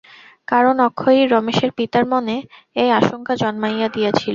কারণ অক্ষয়ই রমেশের পিতার মনে এই আশঙ্কা জন্মাইয়া দিয়াছিল।